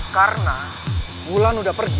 karena wulan udah pergi